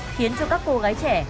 khiến cho các cô gái trẻ